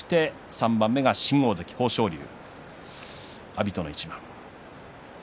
３番目が新大関豊昇龍阿炎との一番。